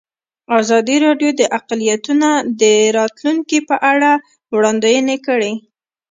ازادي راډیو د اقلیتونه د راتلونکې په اړه وړاندوینې کړې.